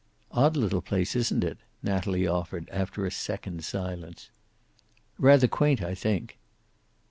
"Odd little place, isn't it?" Natalie offered after a second's silence. "Rather quaint, I think."